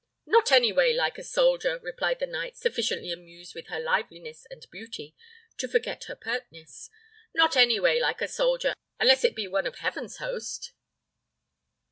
"Not any way like a soldier," replied the knight, sufficiently amused with her liveliness and beauty to forget her pertness; "not any way like a soldier, unless it be one of heaven's host."